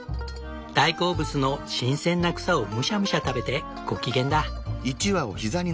大好物の新鮮な草をむしゃむしゃ食べてご機嫌だ。